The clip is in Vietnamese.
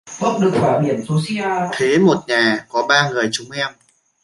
Thế Một Nhà có ba người chúng em